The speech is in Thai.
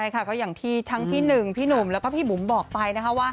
ก็อย่างที่ทั้งพี่หนึ่งพี่หนุ่มแล้วก็พี่บุ๋มบอกไปนะคะว่า